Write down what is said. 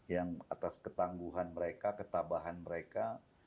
yang atas ketangguhan mereka ketabahan mereka